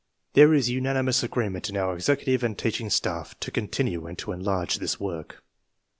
There is unanimous agreement in our executive and teaching staff to continue and to enlarge this work.